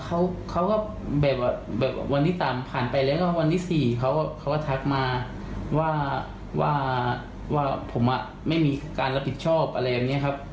เขาก็แบบวันที่สามผ่านไปแล้วก็วันที่สี่เขาเขาก็ทักมาว่าว่าผมอ่ะไม่มีการรับผิดชอบอะไรอย่างนี้ครับ